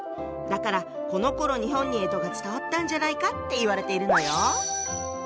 だからこのころ日本に干支が伝わったんじゃないかっていわれているのよ。